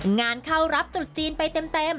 งานเข้ารับตรุษจีนไปเต็ม